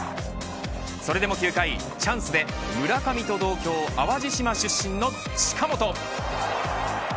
それでも９回チャンスで村上と同郷淡路島出身の近本。